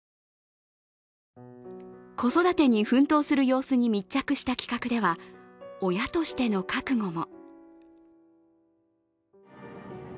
子育てに奮闘する様子に密着した企画では親としての覚悟も。